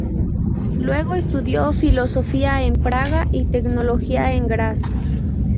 Luego estudió filosofía en Praga y teología en Graz.